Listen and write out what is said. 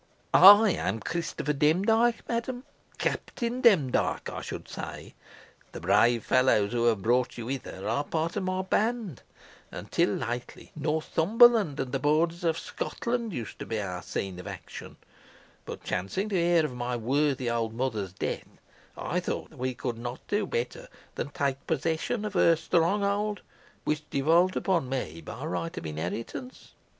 "I am Christopher Demdike, madam Captain Demdike, I should say. The brave fellows who have brought you hither are part of my band, and till lately Northumberland and the borders of Scotland used to be our scene of action; but chancing to hear of my worthy old mother's death, I thought we could not do better than take possession of her stronghold, which devolved upon me by right of inheritance.